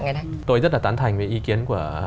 ngày nay tôi rất là tán thành với ý kiến của